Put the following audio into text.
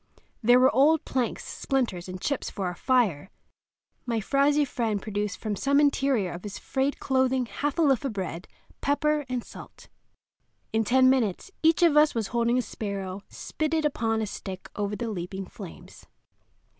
There were old planks, splinters, and chips for our fire. My frowsy friend produced from some interior of his frayed clothing half a loaf of bread, pepper, and salt. In ten minutes each of us was holding a sparrow spitted upon a stick over the leaping flames.